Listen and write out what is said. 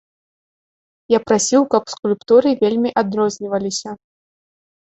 Я прасіў, каб скульптуры вельмі адрозніваліся.